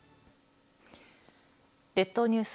列島ニュース